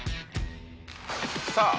さあ